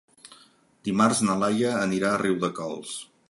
Dimarts na Laia anirà a Riudecols.